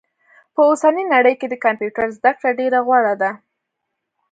په اوسني نړئ کي د کمپيوټر زده کړه ډيره غوره ده